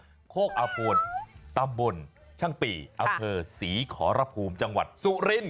แห่นางแมวขอฝนที่ชาวบ้านโคกอภูมิตำบลชั่งปี่อำเภอศรีขอระภูมิจังหวัดสุริน